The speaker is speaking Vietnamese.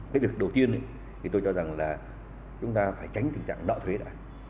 cái việc đầu tiên thì tôi cho rằng là chúng ta phải tránh tình trạng nợ thuế đã